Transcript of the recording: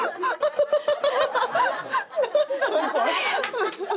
ハハハハ！